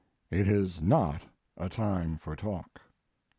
It is not a time for talk.